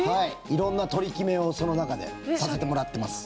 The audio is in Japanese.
色んな取り決めをその中でさせてもらってます。